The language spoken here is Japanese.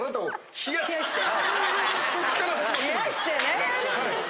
冷やしてね。